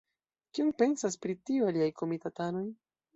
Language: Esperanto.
Kion pensas pri tio aliaj komitatanoj?